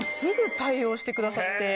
してくださって。